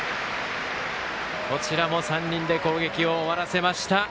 こちらも３人で攻撃を終わらせました。